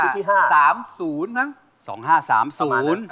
ประมาณนึง